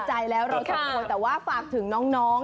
แต่ว่าฝากถึงน้อง